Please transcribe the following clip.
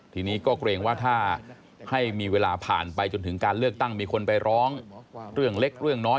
ทีนี้ก็เกรงว่าถ้าให้มีเวลาผ่านไปจนถึงการเลือกตั้งมีคนไปร้องเรื่องเล็กเรื่องน้อย